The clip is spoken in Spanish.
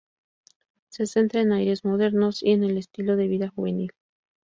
Se centra en aires modernos y en el estilo de vida juvenil.